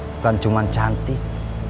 bukan cuma cantik